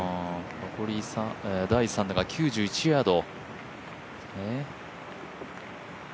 残り、第３打が９１ヤード。